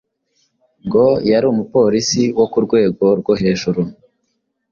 ngo yari umupolisi wo ku rwego rwo hejuru,